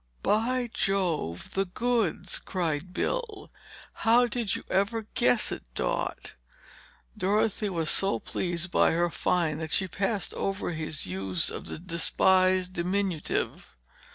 "By jove! The goods!" cried Bill. "How did you ever guess it, Dot?" Dorothy was so pleased by her find that she passed over his use of the despised diminutive.